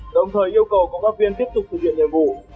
đồng thời yêu cầu công tác viên tiếp tục thực hiện nhiệm vụ